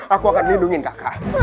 aku akan lindungi kakak